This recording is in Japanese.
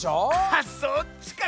あっそっちか。